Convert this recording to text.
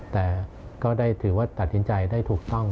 แต่ก็ได้ถือว่าตัดสินใจได้ถูกต้อง